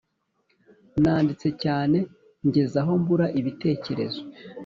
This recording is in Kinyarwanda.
nanditse cyane ngeza aho mbura ibitekerezo